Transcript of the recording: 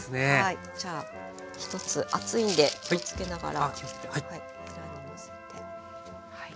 じゃあ１つ熱いんで気をつけながらのせて。